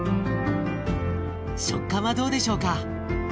食感はどうでしょうか？